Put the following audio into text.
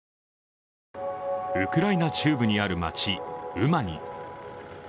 ウクライナ中部にある町、ウマニ。